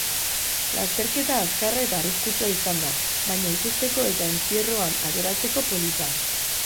Lasterkerta azkarra eta arriskutsua izan da, baina ikusteko eta entzierroan ateratzeko polita.